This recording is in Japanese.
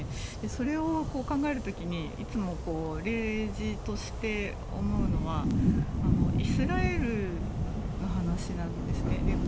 それを考える時にいつも例示として思うのはイスラエルの話なんですね。